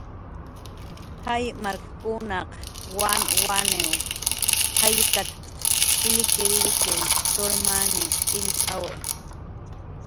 "Jaymarkkunaq wanwan jallkatp""t"" illkirillkir turmany illk""awi "